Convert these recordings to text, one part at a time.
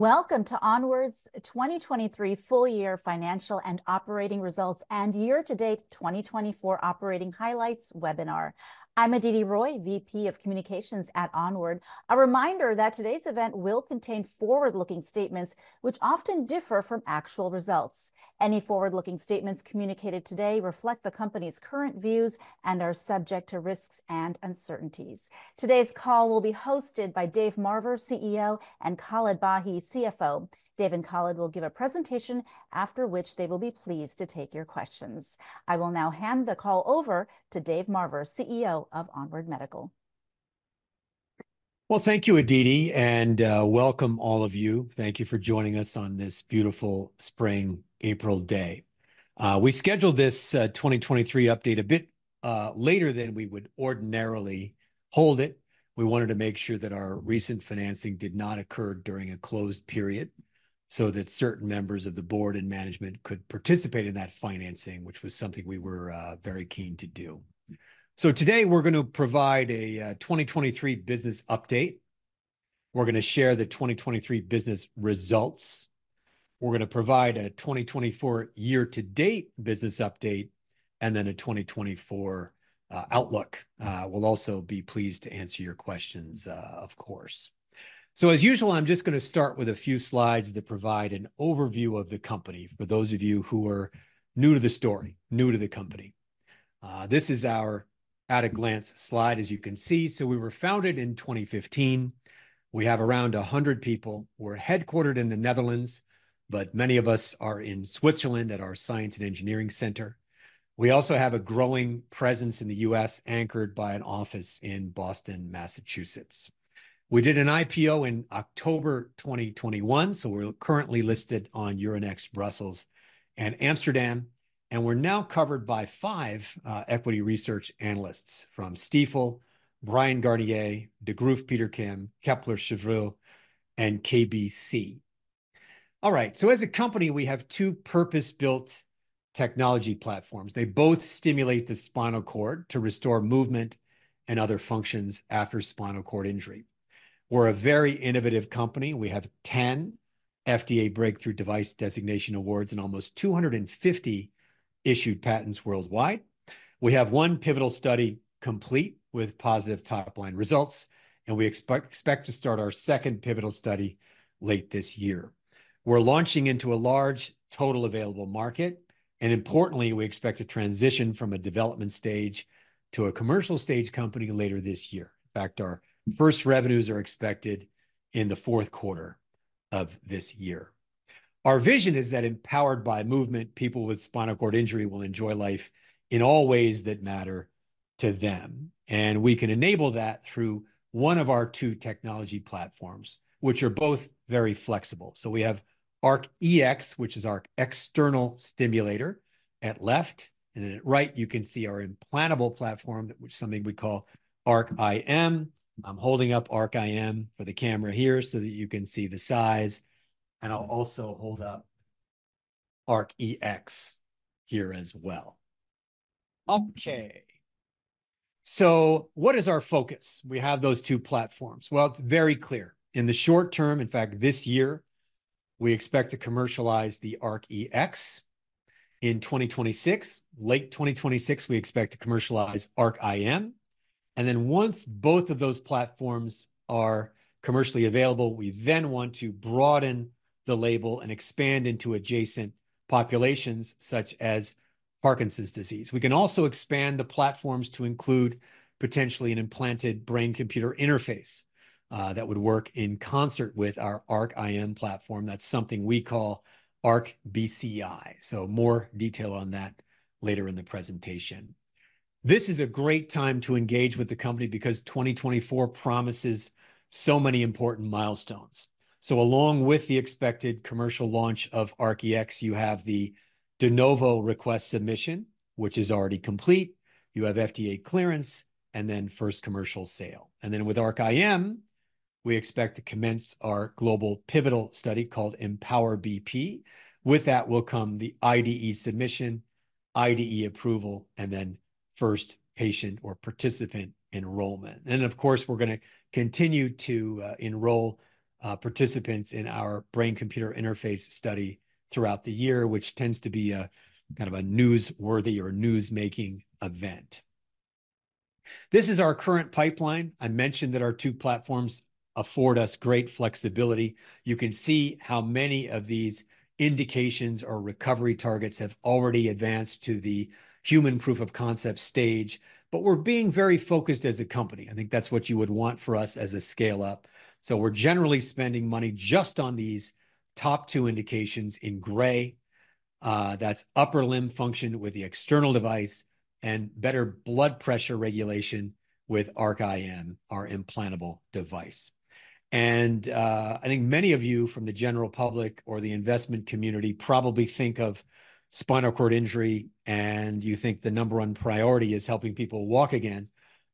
Welcome to ONWARD's 2023 full year financial and operating results and year-to-date 2024 operating highlights webinar. I'm Aditi Roy, VP of Communications at Onward. A reminder that today's event will contain forward-looking statements which often differ from actual results. Any forward-looking statements communicated today reflect the company's current views and are subject to risks and uncertainties. Today's call will be hosted by Dave Marver, CEO, and Khaled Bahi, CFO. Dave and Khaled will give a presentation, after which they will be pleased to take your questions. I will now hand the call over to Dave Marver, CEO of Onward Medical. Thank you, Aditi, welcome all of you. Thank you for joining us on this beautiful spring April day. We scheduled this 2023 update a bit later than we would ordinarily hold it. We wanted to make sure that our recent financing did not occur during a closed period, that certain members of the board and management could participate in that financing, which was something we were very keen to do. Today, we're going to provide a 2023 business update. We're going to share the 2023 business results. We're going to provide a 2024 year-to-date business update, a 2024 outlook. We'll also be pleased to answer your questions, of course. As usual, I'm just going to start with a few slides that provide an overview of the company for those of you who are new to the story, new to the company. This is our at-a-glance slide, as you can see. We were founded in 2015. We have around 100 people. We're headquartered in the Netherlands, but many of us are in Switzerland at our science and engineering center. We also have a growing presence in the U.S., anchored by an office in Boston, Massachusetts. We did an IPO in October 2021, we're currently listed on Euronext Brussels and Euronext Amsterdam, we're now covered by five equity research analysts from Stifel, Bryan Garnier, Degroof Petercam, Kepler Cheuvreux, and KBC. All right. As a company, we have two purpose-built technology platforms. They both stimulate the spinal cord to restore movement and other functions after spinal cord injury. We're a very innovative company. We have 10 FDA Breakthrough Device Designation awards and almost 250 issued patents worldwide. We have one pivotal study complete with positive top-line results, we expect to start our second pivotal study late this year. We're launching into a large total available market, importantly, we expect to transition from a development stage to a commercial stage company later this year. In fact, our first revenues are expected in the fourth quarter of this year. Our vision is that empowered by movement, people with spinal cord injury will enjoy life in all ways that matter to them, we can enable that through one of our two technology platforms, which are both very flexible. We have ARC-EX, which is our external stimulator at left, at right, you can see our implantable platform, which is something we call ARC-IM. I'm holding up ARC-IM for the camera here so that you can see the size, and I'll also hold up ARC-EX here as well. What is our focus? We have those two platforms. It's very clear. In the short term, in fact, this year, we expect to commercialize the ARC-EX. In 2026, late 2026, we expect to commercialize ARC-IM, and then once both of those platforms are commercially available, we then want to broaden the label and expand into adjacent populations such as Parkinson's disease. We can also expand the platforms to include potentially an implanted brain computer interface, that would work in concert with our ARC-IM platform. That's something we call ARC-BCI. More detail on that later in the presentation. This is a great time to engage with the company because 2024 promises so many important milestones. Along with the expected commercial launch of ARC-EX, you have the De Novo request submission, which is already complete. You have FDA clearance and first commercial sale. With ARC-IM, we expect to commence our global pivotal study called Empower BP. With that will come the IDE submission, IDE approval, and first patient or participant enrollment. Of course, we're going to continue to enroll participants in our brain computer interface study throughout the year, which tends to be a kind of a newsworthy or news-making event. This is our current pipeline. I mentioned that our two platforms afford us great flexibility. You can see how many of these indications or recovery targets have already advanced to the human proof of concept stage, we're being very focused as a company. I think that's what you would want for us as a scale-up. We're generally spending money just on these top two indications in gray. That's upper limb function with the external device and better blood pressure regulation with ARC-IM, our implantable device. I think many of you from the general public or the investment community probably think of spinal cord injury, and you think the number 1 priority is helping people walk again.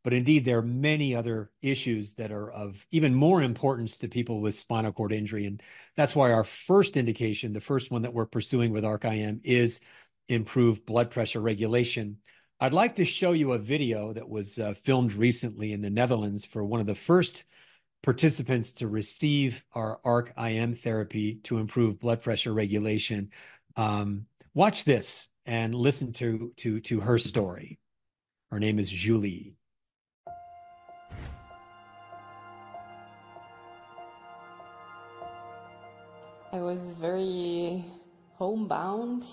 Indeed, there are many other issues that are of even more importance to people with spinal cord injury, and that's why our first indication, the first one that we're pursuing with ARC-IM, is improved blood pressure regulation. I'd like to show you a video that was filmed recently in the Netherlands for one of the first participants to receive our ARC-IM therapy to improve blood pressure regulation. Watch this and listen to her story. Her name is Julie. I was very homebound.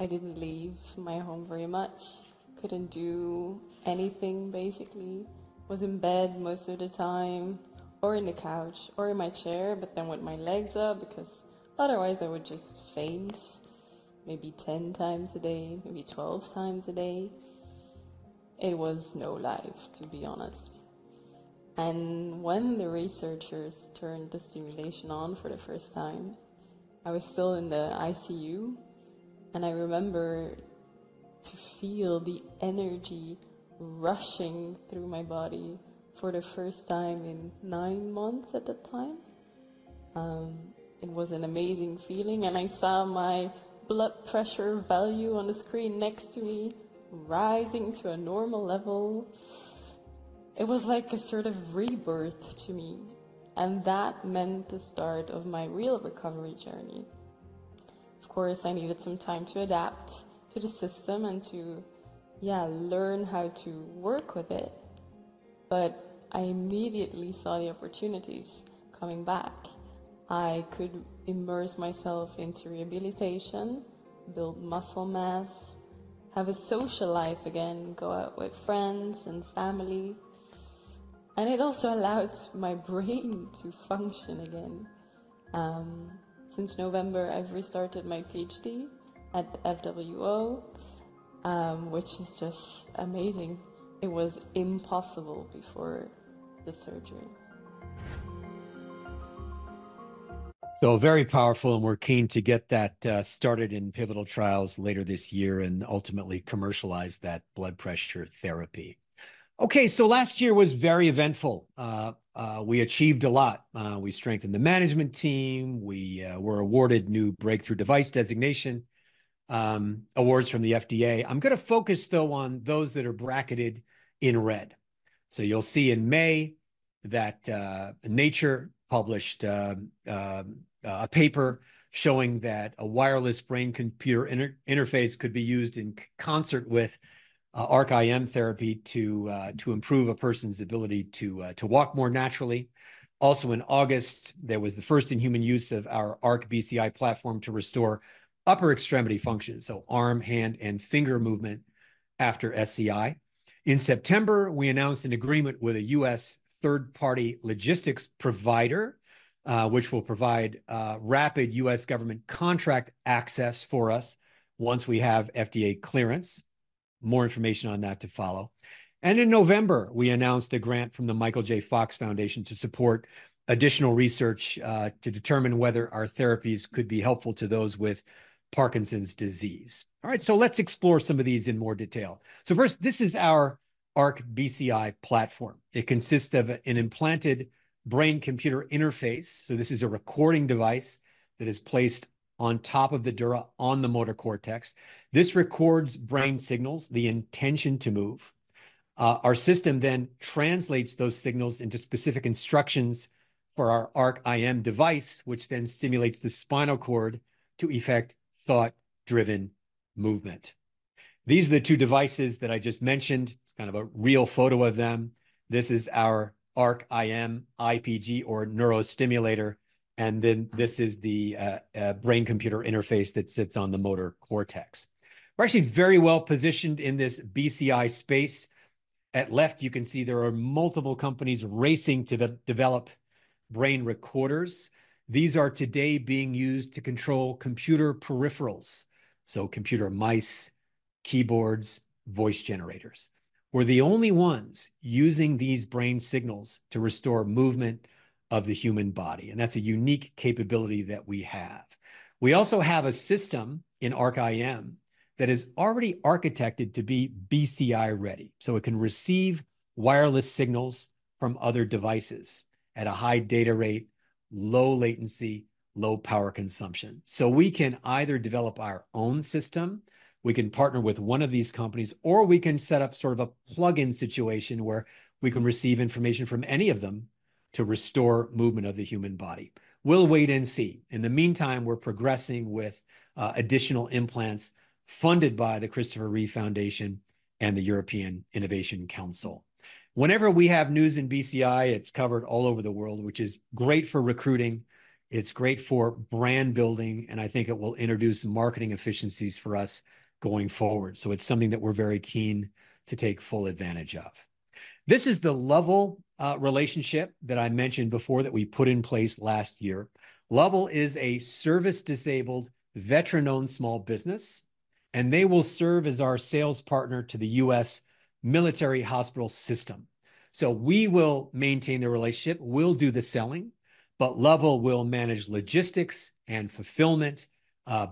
I didn't leave my home very much, couldn't do anything, basically. Was in bed most of the time, or in a couch, or in my chair, with my legs up, because otherwise I would just faint maybe 10 times a day, maybe 12 times a day. It was no life, to be honest. When the researchers turned the stimulation on for the first time, I was still in the ICU, I remember to feel the energy rushing through my body for the first time in nine months at that time. It was an amazing feeling, I saw my blood pressure value on the screen next to me rising to a normal level. It was like a sort of rebirth to me, that meant the start of my real recovery journey. I needed some time to adapt to the system and to, yeah, learn how to work with it. I immediately saw the opportunities. Coming back, I could immerse myself into rehabilitation, build muscle mass, have a social life again, go out with friends and family. It also allowed my brain to function again. Since November, I've restarted my PhD at FWO, which is just amazing. It was impossible before the surgery. Very powerful, and we're keen to get that started in pivotal trials later this year and ultimately commercialize that blood pressure therapy. Last year was very eventful. We achieved a lot. We strengthened the management team. We were awarded new Breakthrough Device Designation awards from the FDA. I'm going to focus, though, on those that are bracketed in red. You'll see in May that Nature published a paper showing that a wireless brain-computer interface could be used in concert with ARC-IM therapy to improve a person's ability to walk more naturally. Also in August, there was the first in human use of our ARC-BCI platform to restore upper extremity function, so arm, hand, and finger movement after SCI. In September, we announced an agreement with a U.S. third-party logistics provider, which will provide rapid U.S. government contract access for us once we have FDA clearance. More information on that to follow. In November, we announced a grant from The Michael J. Fox Foundation to support additional research to determine whether our therapies could be helpful to those with Parkinson's disease. Let's explore some of these in more detail. First, this is our ARC-BCI platform. It consists of an implanted brain-computer interface. This is a recording device that is placed on top of the dura on the motor cortex. This records brain signals, the intention to move. Our system then translates those signals into specific instructions for our ARC-IM device, which then stimulates the spinal cord to effect thought-driven movement. These are the two devices that I just mentioned. It's kind of a real photo of them. This is our ARC-IM IPG or neurostimulator, and this is the brain-computer interface that sits on the motor cortex. We're actually very well positioned in this BCI space. At left, you can see there are multiple companies racing to develop brain recorders. These are today being used to control computer peripherals, so computer mice, keyboards, voice generators. We're the only ones using these brain signals to restore movement of the human body, and that's a unique capability that we have. We also have a system in ARC-IM that is already architected to be BCI-ready, so it can receive wireless signals from other devices at a high data rate, low latency, low power consumption. We can either develop our own system, we can partner with one of these companies, or we can set up sort of a plug-in situation where we can receive information from any of them to restore movement of the human body. We will wait and see. In the meantime, we are progressing with additional implants funded by the Christopher Reeve Foundation and the European Innovation Council. Whenever we have news in BCI, it is covered all over the world, which is great for recruiting, it is great for brand building. It will introduce some marketing efficiencies for us going forward. It is something that we are very keen to take full advantage of. This is the Lovell relationship that I mentioned before that we put in place last year. Lovell is a service-disabled veteran-owned small business, and they will serve as our sales partner to the U.S. military hospital system. We will maintain the relationship. We will do the selling, but Lovell will manage logistics and fulfillment,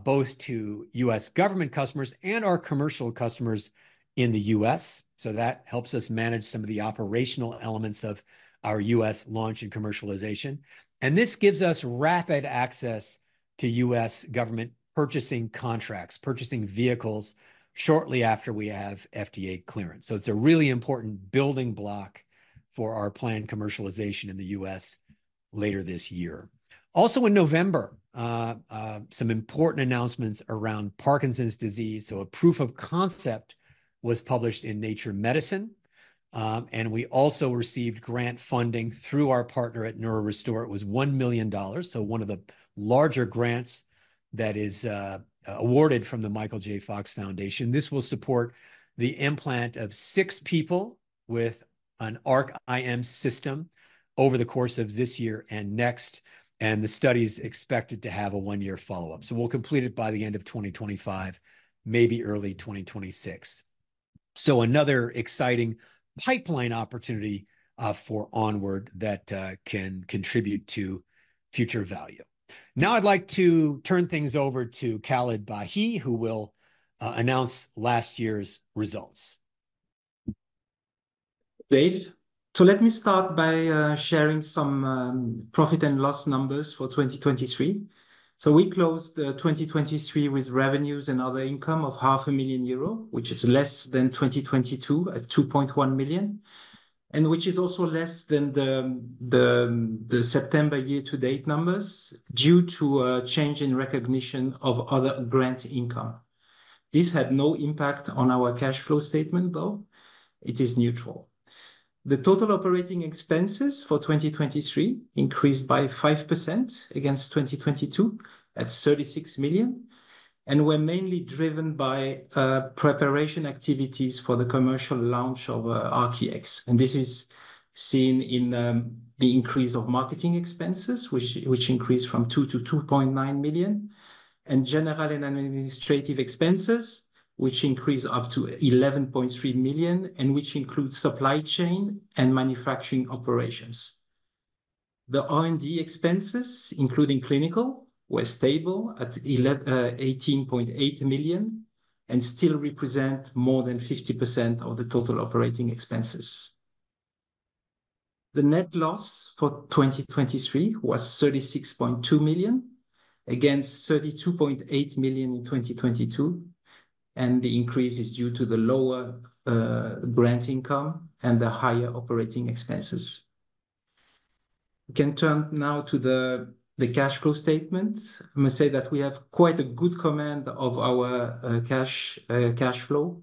both to U.S. government customers and our commercial customers in the U.S. That helps us manage some of the operational elements of our U.S. launch and commercialization. And this gives us rapid access to U.S. government purchasing contracts, purchasing vehicles shortly after we have FDA clearance. It is a really important building block for our planned commercialization in the U.S. later this year. Also in November, some important announcements around Parkinson's disease. A proof of concept was published in Nature Medicine, and we also received grant funding through our partner at NeuroRestore. It was EUR 1 million, so one of the larger grants that is awarded from the Michael J. Fox Foundation. This will support the implant of six people with an ARC-IM system over the course of this year and next. And the study is expected to have a one-year follow-up. We will complete it by the end of 2025, maybe early 2026. Another exciting pipeline opportunity for Onward that can contribute to future value. Now I would like to turn things over to Khaled Bahi, who will announce last year's results. Dave. Let me start by sharing some profit and loss numbers for 2023. We closed 2023 with revenues and other income of 0.5 million euro, which is less than 2022 at 2.1 million, and which is also less than the September year-to-date numbers due to a change in recognition of other grant income. This had no impact on our cash flow statement, though. It is neutral. The total operating expenses for 2023 increased by 5% against 2022 at 36 million, and were mainly driven by preparation activities for the commercial launch of ARC-EX. This is seen in the increase of marketing expenses, which increased from 2 million-2.9 million, and general and administrative expenses, which increased up to 11.3 million and which includes supply chain and manufacturing operations. The R&D expenses, including clinical, were stable at 18.8 million and still represent more than 50% of the total operating expenses. The net loss for 2023 was 36.2 million against 32.8 million in 2022. The increase is due to the lower grant income and the higher operating expenses. We can turn now to the cash flow statement. I must say that we have quite a good command of our cash flow.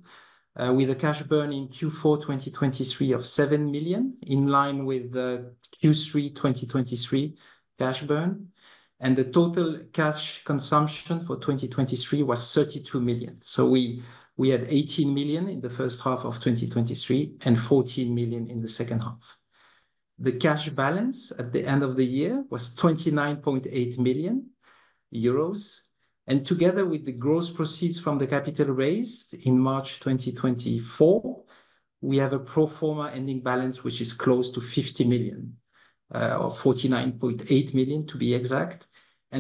With the cash burn in Q4 2023 of 7 million, in line with the Q3 2023 cash burn. The total cash consumption for 2023 was 32 million. We had 18 million in the first half of 2023 and 14 million in the second half. The cash balance at the end of the year was 29.8 million euros, and together with the gross proceeds from the capital raised in March 2024, we have a pro forma ending balance, which is close to 50 million, or 49.8 million to be exact.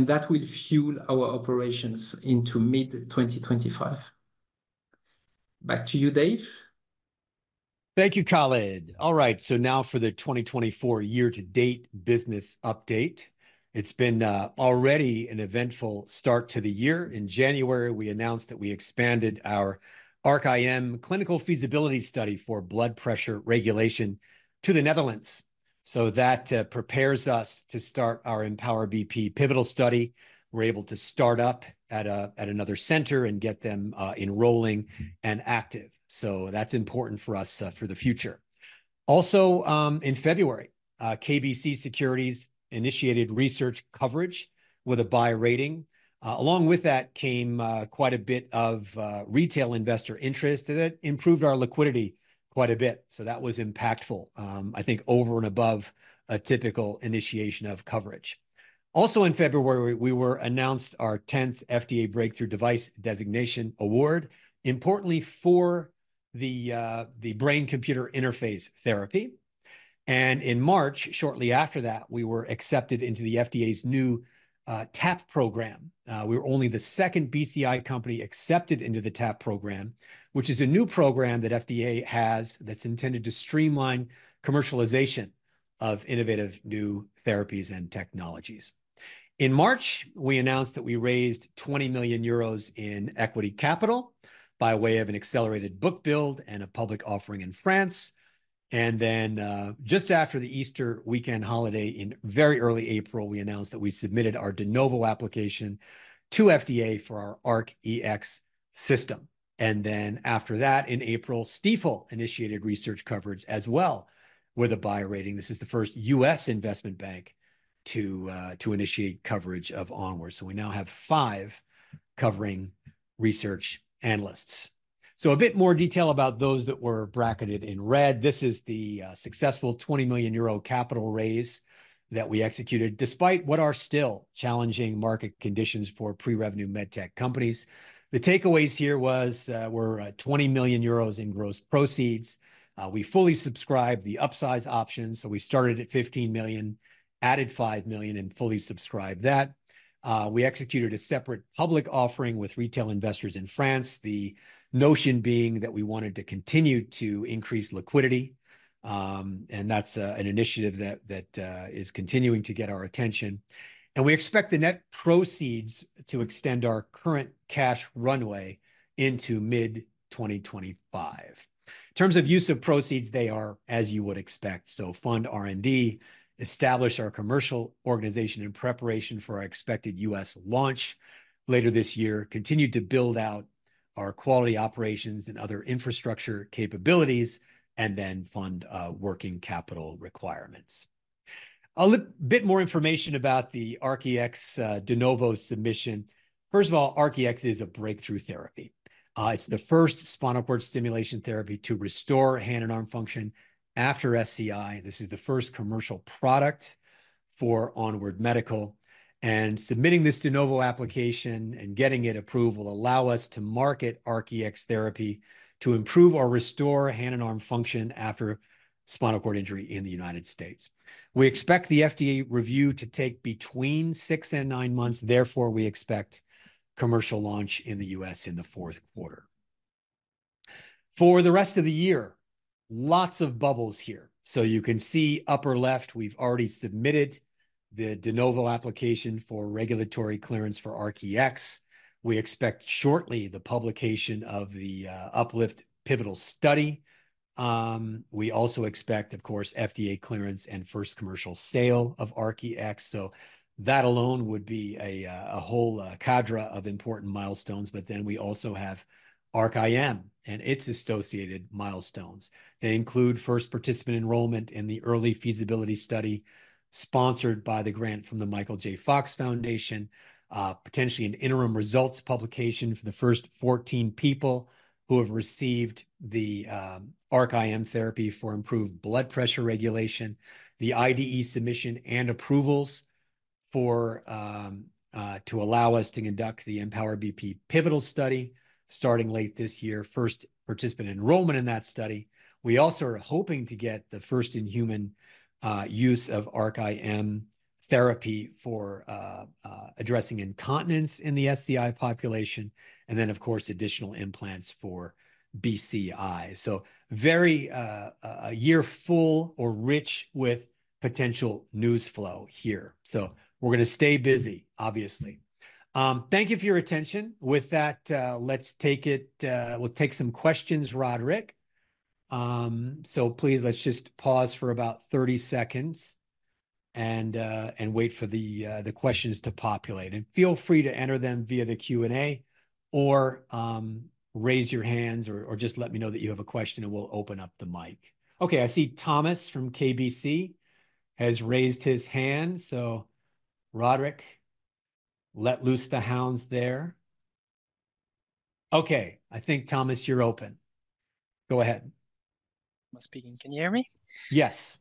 That will fuel our operations into mid-2025. Back to you, Dave. Thank you, Khaled. Now for the 2024 year-to-date business update. It's been already an eventful start to the year. In January, we announced that we expanded our ARC-IM clinical feasibility study for blood pressure regulation to the Netherlands. That prepares us to start our Empower BP pivotal study. We're able to start up at another center and get them enrolling and active. That's important for us for the future. Also, in February, KBC Securities initiated research coverage with a buy rating. Along with that came quite a bit of retail investor interest. It improved our liquidity quite a bit. That was impactful, I think over and above a typical initiation of coverage. Also in February, we were announced our 10th FDA Breakthrough Device Designation award, importantly for the brain-computer interface therapy. In March, shortly after that, we were accepted into the FDA's new TAP program. We were only the second BCI company accepted into the TAP program, which is a new program that FDA has that's intended to streamline commercialization of innovative new therapies and technologies. In March, we announced that we raised 20 million euros in equity capital by way of an accelerated bookbuild and a public offering in France. Just after the Easter weekend holiday in very early April, we announced that we submitted our De Novo application to FDA for our ARC-EX system. After that in April, Stifel initiated research coverage as well with a buy rating. This is the first U.S. investment bank to initiate coverage of Onward. We now have five covering research analysts. A bit more detail about those that were bracketed in red. This is the successful 20 million euro capital raise that we executed, despite what are still challenging market conditions for pre-revenue med tech companies. The takeaways here were 20 million euros in gross proceeds. We fully subscribed the upsize option. We started at 15 million, added 5 million, and fully subscribed that. We executed a separate public offering with retail investors in France, the notion being that we wanted to continue to increase liquidity. That's an initiative that is continuing to get our attention. We expect the net proceeds to extend our current cash runway into mid-2025. In terms of use of proceeds, they are as you would expect. Fund R&D, establish our commercial organization in preparation for our expected U.S. launch later this year, continue to build out our quality operations and other infrastructure capabilities, fund working capital requirements. A bit more information about the ARC-EX De Novo submission. First of all, ARC-EX is a breakthrough therapy. It's the first spinal cord stimulation therapy to restore hand and arm function after SCI. This is the first commercial product for Onward Medical. Submitting this De Novo application and getting it approved will allow us to market ARC-EX therapy to improve or restore hand and arm function after spinal cord injury in the U.S. We expect the FDA review to take between six and nine months, therefore, we expect commercial launch in the U.S. in the fourth quarter. For the rest of the year, lots of bubbles here. You can see upper left, we've already submitted the De Novo application for regulatory clearance for ARC-EX. We expect shortly the publication of the UPLIFT pivotal study. We also expect, of course, FDA clearance and first commercial sale of ARC-EX. That alone would be a whole cadre of important milestones, we also have ARC-IM and its associated milestones. They include first participant enrollment in the early feasibility study sponsored by the grant from The Michael J. Fox Foundation, potentially an interim results publication for the first 14 people who have received the ARC-IM therapy for improved blood pressure regulation, the IDE submission and approvals to allow us to conduct the Empower BP pivotal study starting late this year, first participant enrollment in that study. We also are hoping to get the first in-human use of ARC-IM therapy for addressing incontinence in the SCI population, of course, additional implants for BCI. A year full or rich with potential news flow here. We're going to stay busy, obviously. Thank you for your attention. With that, we'll take some questions, Roderick. Please, let's just pause for about 30 seconds and wait for the questions to populate. Feel free to enter them via the Q&A or raise your hands or just let me know that you have a question, and we'll open up the mic. I see Thomas from KBC has raised his hand, Roderick, let loose the hounds there. I think, Thomas, you're open. Go ahead. I'm speaking. Can you hear me? Yes.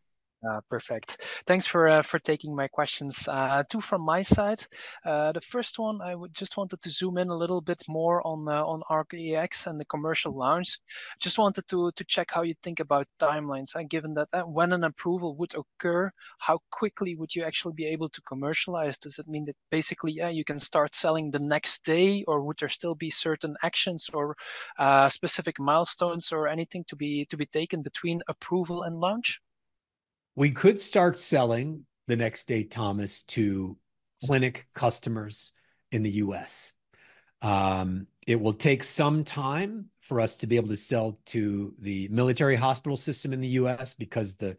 Perfect. Thanks for taking my questions. Two from my side. The first one, I just wanted to zoom in a little bit more on ARC-EX and the commercial launch. Just wanted to check how you think about timelines and given that when an approval would occur, how quickly would you actually be able to commercialize? Does it mean that basically, you can start selling the next day, or would there still be certain actions or specific milestones or anything to be taken between approval and launch? We could start selling the next day, Thomas, to clinic customers in the U.S. It will take some time for us to be able to sell to the military hospital system in the U.S. because the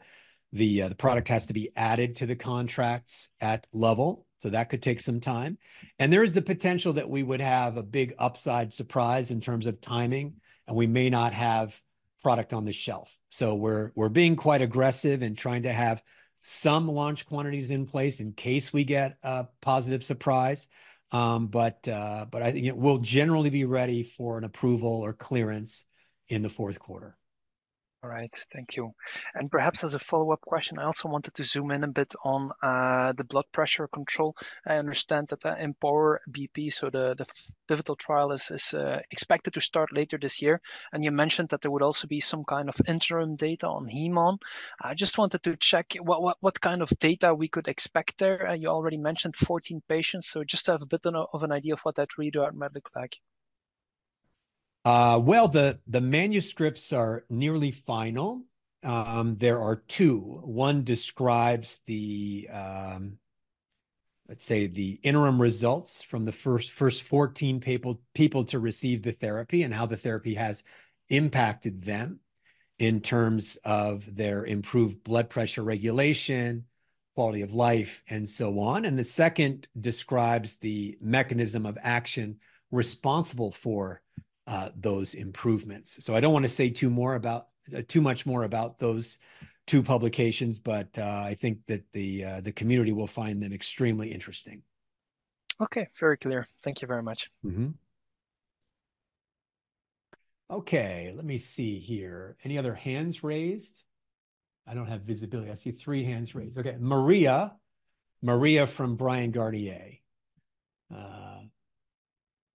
product has to be added to the contracts at Lovell, so that could take some time. There is the potential that we would have a big upside surprise in terms of timing, and we may not have product on the shelf. We're being quite aggressive in trying to have some launch quantities in place in case we get a positive surprise. I think it will generally be ready for an approval or clearance in the fourth quarter. All right. Thank you. Perhaps as a follow-up question, I also wanted to zoom in a bit on the blood pressure control. I understand that the Empower BP, so the pivotal trial, is expected to start later this year. You mentioned that there would also be some kind of interim data on HemON. I just wanted to check what kind of data we could expect there. You already mentioned 14 patients, just to have a bit of an idea of what that readout might look like. The manuscripts are nearly final. There are two. One describes the, let's say, the interim results from the first 14 people to receive the therapy and how the therapy has impacted them in terms of their improved blood pressure regulation, quality of life, and so on. The second describes the mechanism of action responsible for those improvements. I don't want to say too much more about those two publications, but I think that the community will find them extremely interesting. Okay. Very clear. Thank you very much. Okay, let me see here. Any other hands raised? I don't have visibility. I see three hands raised. Okay, Maria. Maria from Bryan, Garnier.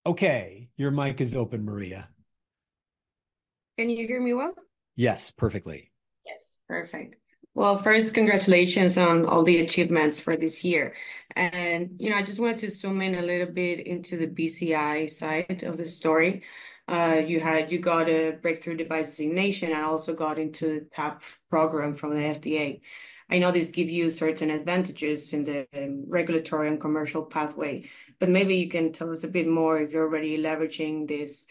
Okay, your mic is open, Maria. Can you hear me well? Yes, perfectly. Yes, perfect. Well, first, congratulations on all the achievements for this year. I just wanted to zoom in a little bit into the BCI side of the story. You got a Breakthrough Device Designation and also got into the TAP program from the FDA. I know this give you certain advantages in the regulatory and commercial pathway, but maybe you can tell us a bit more if you're already leveraging this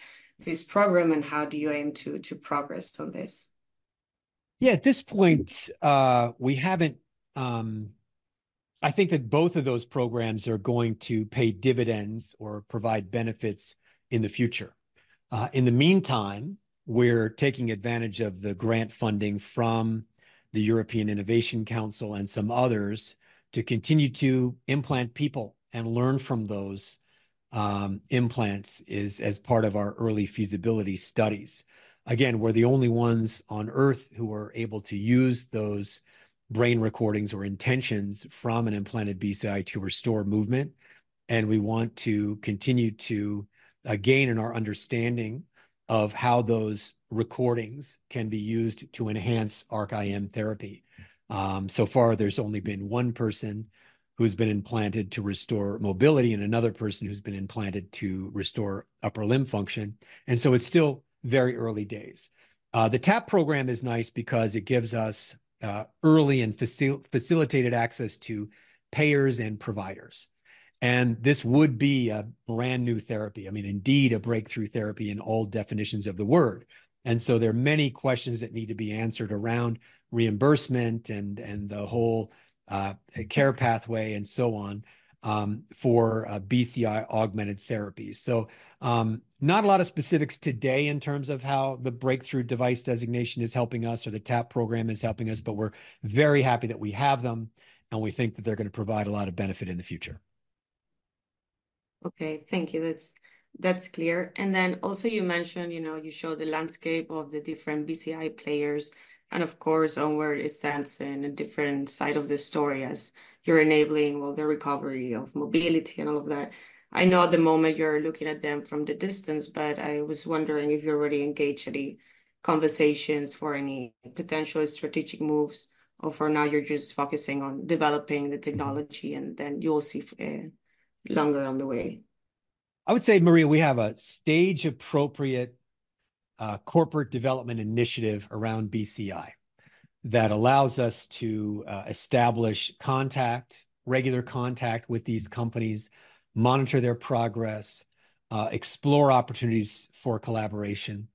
program and how do you aim to progress on this? Yeah, at this point, I think that both of those programs are going to pay dividends or provide benefits in the future. In the meantime, we're taking advantage of the grant funding from the European Innovation Council and some others to continue to implant people and learn from those implants as part of our early feasibility studies. Again, we're the only ones on Earth who are able to use those brain recordings or intentions from an implanted BCI to restore movement, and we want to continue to gain in our understanding of how those recordings can be used to enhance ARC-IM therapy. So far, there's only been one person who's been implanted to restore mobility and another person who's been implanted to restore upper limb function. It's still very early days. The TAP program is nice because it gives us early and facilitated access to payers and providers. This would be a brand new therapy. Indeed, a breakthrough therapy in all definitions of the word. There are many questions that need to be answered around reimbursement and the whole care pathway and so on for BCI-augmented therapies. Not a lot of specifics today in terms of how the Breakthrough Device Designation is helping us or the TAP program is helping us, but we're very happy that we have them, and we think that they're going to provide a lot of benefit in the future. Okay. Thank you. That's clear. Also, you mentioned you show the landscape of the different BCI players, and of course, Onward is sensing a different side of the story as you're enabling the recovery of mobility and all of that. I know at the moment you're looking at them from the distance, but I was wondering if you're already engaged any conversations for any potential strategic moves, or for now you're just focusing on developing the technology, and then you'll see further along the way? I would say, Maria, we have a stage-appropriate corporate development initiative around BCI that allows us to establish regular contact with these companies, monitor their progress, explore opportunities for collaboration.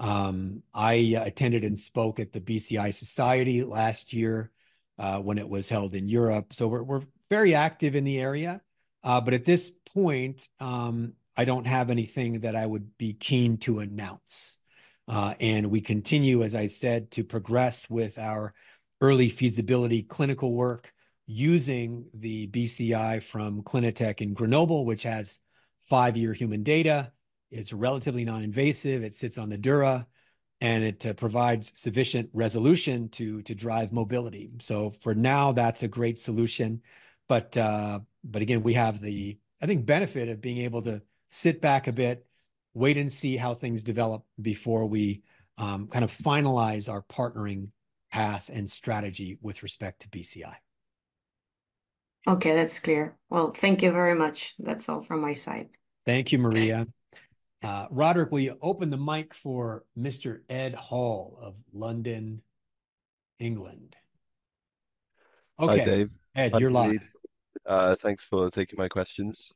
I attended and spoke at the BCI Society last year when it was held in Europe. We're very active in the area. At this point, I don't have anything that I would be keen to announce. We continue, as I said, to progress with our early feasibility clinical work using the BCI from Clinatec in Grenoble, which has five-year human data. It's relatively non-invasive. It sits on the dura, and it provides sufficient resolution to drive mobility. For now, that's a great solution. Again, we have the, I think, benefit of being able to sit back a bit, wait and see how things develop before we kind of finalize our partnering path and strategy with respect to BCI. Okay. That's clear. Thank you very much. That's all from my side. Thank you, Maria. Roderick, will you open the mic for Mr. Ed Hall of London, England? Hi, Dave. Okay, Ed, you're live. Thanks for taking my questions.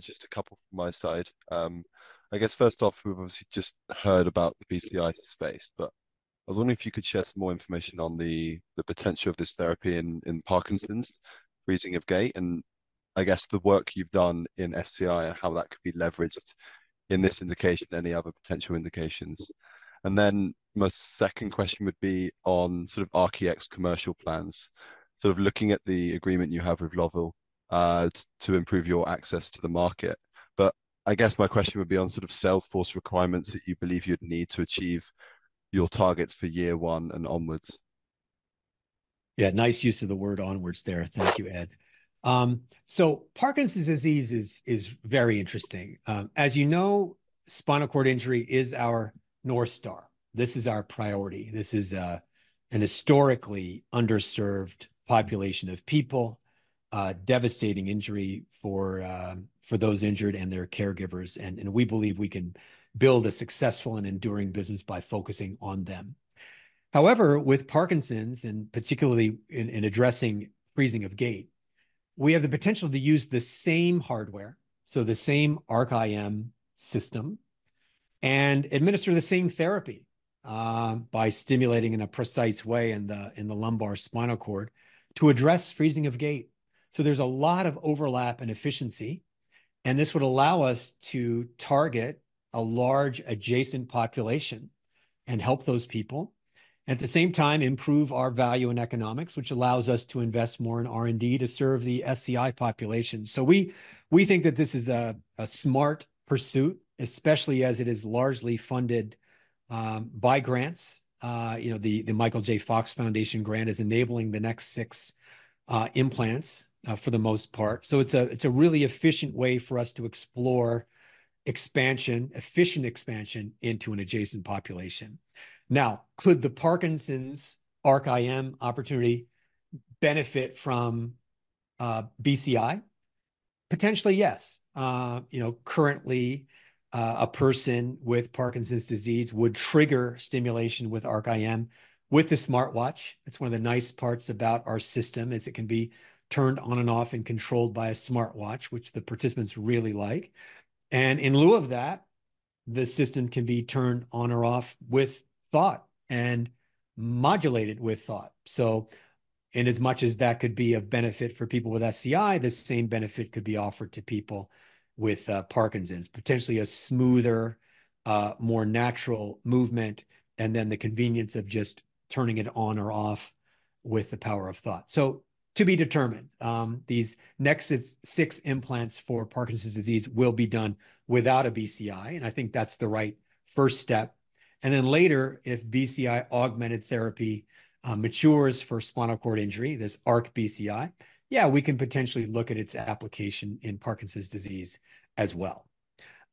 Just a couple from my side. I guess first off, we've obviously just heard about the BCI space, but I was wondering if you could share some more information on the potential of this therapy in Parkinson's freezing of gait, and I guess the work you've done in SCI and how that could be leveraged in this indication, any other potential indications. My second question would be on sort of ARC-EX's commercial plans, sort of looking at the agreement you have with Lovell to improve your access to the market. I guess my question would be on sort of sales force requirements that you believe you'd need to achieve your targets for year one and onwards. Yeah, nice use of the word onwards there. Thank you, Ed. Parkinson's disease is very interesting. As you know, spinal cord injury is our North Star. This is our priority. This is a historically underserved population of people, devastating injury for those injured and their caregivers, and we believe we can build a successful and enduring business by focusing on them. With Parkinson's, and particularly in addressing freezing of gait, we have the potential to use the same hardware, the same ARC-IM system, and administer the same therapy by stimulating in a precise way in the lumbar spinal cord to address freezing of gait. There's a lot of overlap and efficiency, and this would allow us to target a large adjacent population and help those people, at the same time, improve our value in economics, which allows us to invest more in R&D to serve the SCI population. We think that this is a smart pursuit, especially as it is largely funded by grants. The Michael J. Fox Foundation grant is enabling the next six implants, for the most part. It's a really efficient way for us to explore efficient expansion into an adjacent population. Now, could the Parkinson's ARC-IM opportunity benefit from BCI? Potentially, yes. Currently, a person with Parkinson's disease would trigger stimulation with ARC-IM with the smartwatch. It's one of the nice parts about our system, is it can be turned on and off and controlled by a smartwatch, which the participants really like. The system can be turned on or off with thought, and modulated with thought. In as much as that could be of benefit for people with SCI, the same benefit could be offered to people with Parkinson's. Potentially a smoother, more natural movement, and then the convenience of just turning it on or off with the power of thought. To be determined. These next six implants for Parkinson's disease will be done without a BCI, and I think that's the right first step. Then later, if BCI-augmented therapy matures for spinal cord injury, this ARC-BCI, yeah, we can potentially look at its application in Parkinson's disease as well.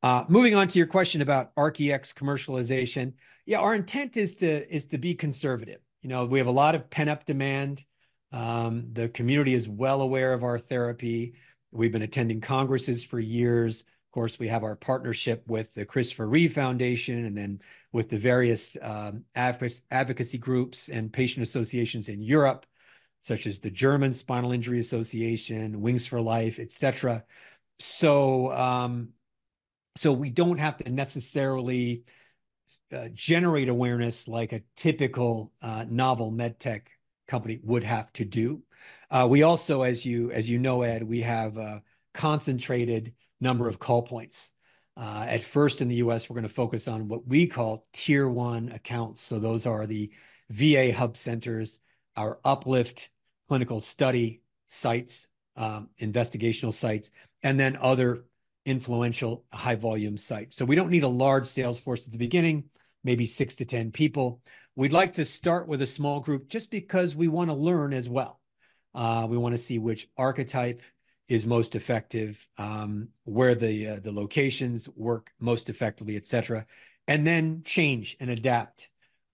Moving on to your question about ARC-EX commercialization. Yeah, our intent is to be conservative. We have a lot of pent-up demand. The community is well aware of our therapy. We've been attending congresses for years. Of course, we have our partnership with the Christopher Reeve Foundation, and then with the various advocacy groups and patient associations in Europe, such as the German Spinal Injury Association, Wings for Life, et cetera. We don't have to necessarily generate awareness like a typical novel med tech company would have to do. We also, as you know, Ed, we have a concentrated number of call points. At first, in the U.S., we're going to focus on what we call tier 1 accounts, those are the VA hub centers, our UPLIFT clinical study sites, investigational sites, and then other influential high-volume sites. We don't need a large sales force at the beginning, maybe 6 to 10 people. We'd like to start with a small group just because we want to learn as well. We want to see which archetype is most effective, where the locations work most effectively, et cetera, and then change and adapt,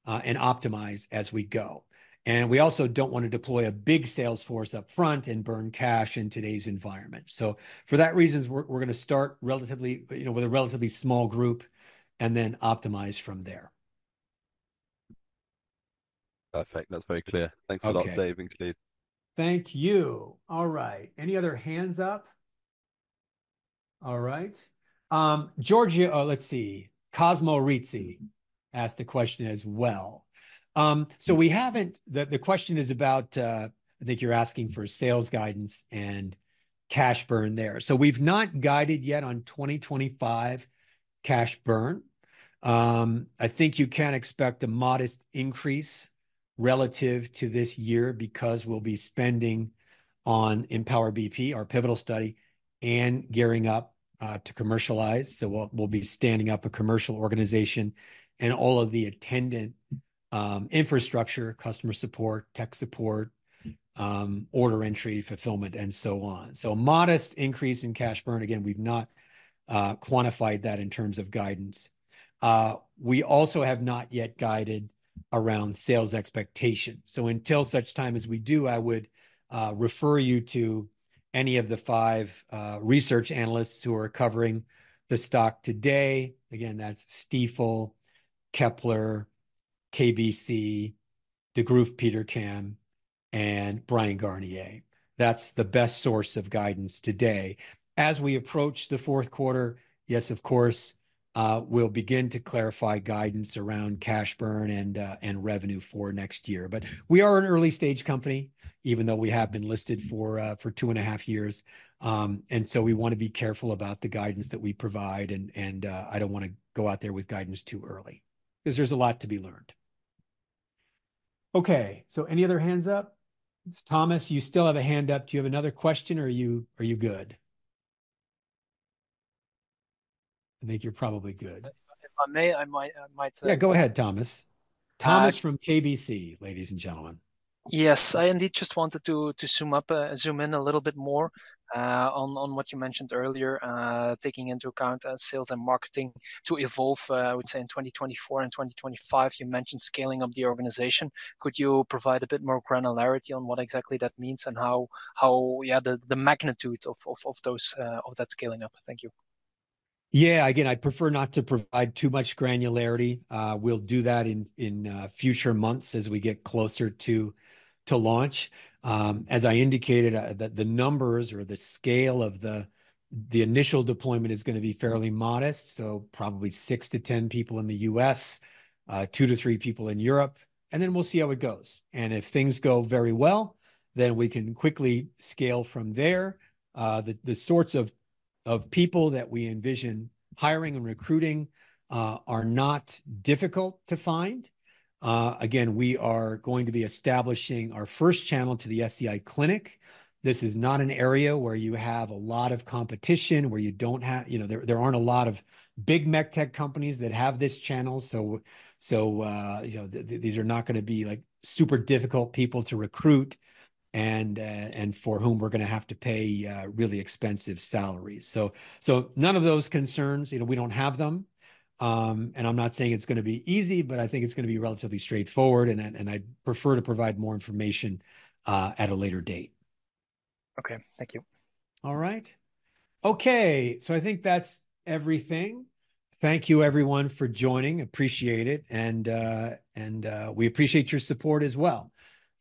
and optimize as we go. We also don't want to deploy a big sales force up front and burn cash in today's environment. For that reason, we're going to start with a relatively small group, and then optimize from there. Perfect. That's very clear. Okay. Thanks a lot, Dave and team. Thank you. All right. Any other hands up? All right. Giorgio. Oh, let's see. Cosmo Rizzi asked a question as well. The question is about, I think you're asking for sales guidance and cash burn there. We've not guided yet on 2025 cash burn. I think you can expect a modest increase relative to this year, because we'll be spending on Empower BP, our pivotal study, and gearing up to commercialize. We'll be standing up a commercial organization and all of the attendant infrastructure, customer support, tech support, order entry, fulfillment, and so on. A modest increase in cash burn. Again, we've not quantified that in terms of guidance. We also have not yet guided around sales expectation. Until such time as we do, I would refer you to any of the five research analysts who are covering the stock today. Again, that's Stifel, Kepler, KBC, Degroof Petercam, and Bryan Garnier. That's the best source of guidance today. As we approach the fourth quarter, yes, of course, we'll begin to clarify guidance around cash burn and revenue for next year. We are an early-stage company, even though we have been listed for two and a half years. We want to be careful about the guidance that we provide, and I don't want to go out there with guidance too early, because there's a lot to be learned. Any other hands up? Thomas, you still have a hand up. Do you have another question or are you good? I think you're probably good. If I may, I might- Yeah, go ahead, Thomas. Hi. Thomas from KBC, ladies and gentlemen. Yes. I indeed just wanted to zoom in a little bit more on what you mentioned earlier, taking into account sales and marketing to evolve, I would say, in 2024 and 2025. You mentioned scaling up the organization. Could you provide a bit more granularity on what exactly that means and how the magnitude of that scaling up? Thank you. Yeah. I'd prefer not to provide too much granularity. We'll do that in future months as we get closer to launch. As I indicated, the numbers or the scale of the initial deployment is going to be fairly modest, so probably six to 10 people in the U.S., two to three people in Europe, we'll see how it goes. If things go very well, we can quickly scale from there. The sorts of people that we envision hiring and recruiting are not difficult to find. We are going to be establishing our first channel to the SCI clinic. This is not an area where you have a lot of competition. There aren't a lot of big med tech companies that have this channel, these are not going to be super difficult people to recruit and for whom we're going to have to pay really expensive salaries. None of those concerns, we don't have them. I'm not saying it's going to be easy, I think it's going to be relatively straightforward, I'd prefer to provide more information at a later date. Okay. Thank you. All right. I think that's everything. Thank you everyone for joining. Appreciate it, and we appreciate your support as well.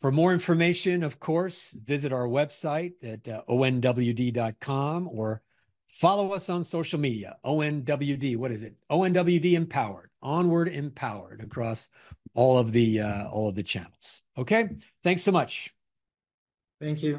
For more information, of course, visit our website at onwd.com, or follow us on social media. ONWD, what is it? ONWD Empowered. Onward Empowered across all of the channels. Thanks so much. Thank you.